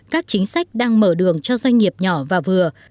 các chính sách đang mở đường cho doanh nghiệp nhỏ và vừa